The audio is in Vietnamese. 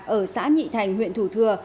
ở xã nhị thành huyện thủ thừa